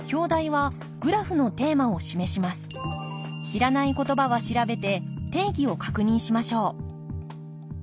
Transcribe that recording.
知らないことばは調べて定義を確認しましょう